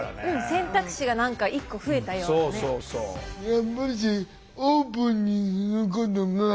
選択肢が何か１個増えたようなね。